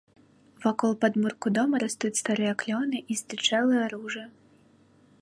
Вакол падмурку дома растуць старыя клёны і здзічэлыя ружы.